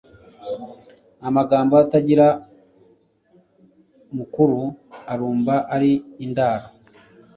amagambo atagira mukuru arumba ari indaro